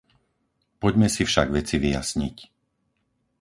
Poďme si však veci vyjasniť.